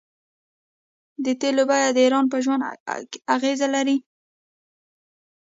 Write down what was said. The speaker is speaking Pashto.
د تیلو بیه د ایران په ژوند اغیز لري.